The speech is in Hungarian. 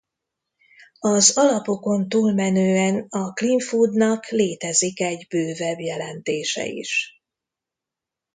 Az alapokon túlmenően a clean foodnak létezik egy bővebb jelentése is.